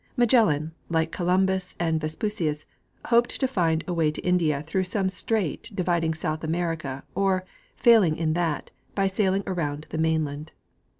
Magellan, like Columbus and Vespucius, hoped to find a way to India through some strait dividing South America, or, failing in that, by sailing around the mainland.